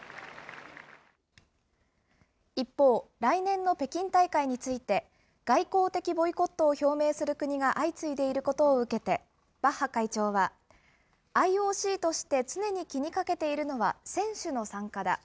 一方、来年の北京大会について、外交的ボイコットを表明する国が相次いでいることを受けて、バッハ会長は、ＩＯＣとして常に気にかけているのは選手の参加だ。